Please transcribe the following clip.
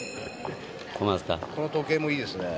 この時計もいいですね。